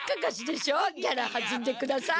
ギャラはずんでください。